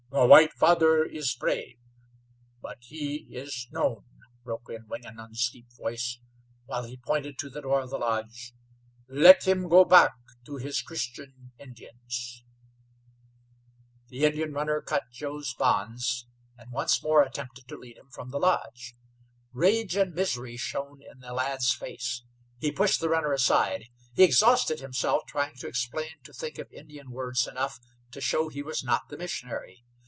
"The white father is brave, but he is known," broke in Wingenund's deep voice, while he pointed to the door of the lodge. "Let him go back to his Christian Indians." The Indian runner cut Joe's bonds, and once more attempted to lead him from the lodge. Rage and misery shown in the lad's face. He pushed the runner aside. He exhausted himself trying to explain, to think of Indian words enough to show he was not the missionary.